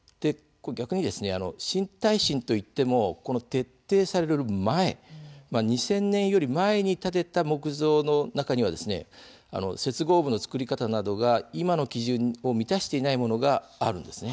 新耐震といっても徹底される前２０００年より前に建てた木造の中には接合部の作り方などが今の基準を満たしていないものがあるんです。